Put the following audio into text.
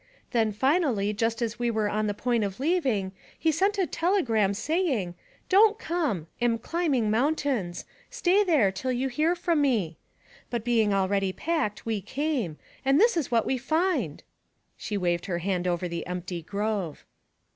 Then finally, just as we were on the point of leaving, he sent a telegram saying: "Don't come. Am climbing mountains. Stay there till you hear from me." But being already packed, we came, and this is what we find ' She waved her hand over the empty grove.